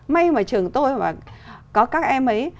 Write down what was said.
may mà trường tôi mà có các em ấy